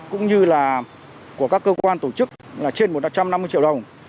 cũng như là của các cơ quan tổ chức là trên một trăm năm mươi triệu đồng